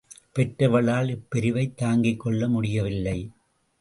பெற்றவளால் இப்பிரிவைத் தாங்கிக் கொள்ள முடியவில்லை.